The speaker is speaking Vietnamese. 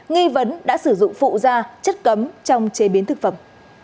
nghi vấn đã sử dụng phụ da chất cấm trong chế biến thực phẩm